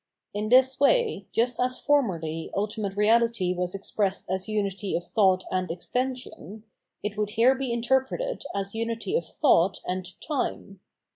In this way, just as formerly ultimate Keality was expressed as unity of thought and eoiension, it would here , be interpreted as unity of thought and time.